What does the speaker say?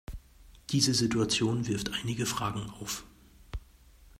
Diese Situation wirft einige Fragen auf.